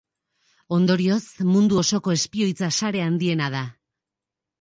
Ondorioz, mundu osoko espioitza sare handiena da.